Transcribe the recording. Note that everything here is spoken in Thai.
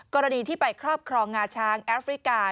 กรณีที่ไปครอบครองงาช้างแอฟริกา